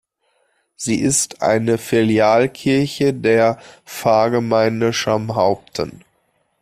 Sie ist eine Filialkirche der Pfarrgemeinde Schamhaupten.